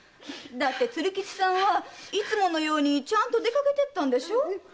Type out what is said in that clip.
鶴吉さんはいつものようにちゃんと出かけていったんでしょう？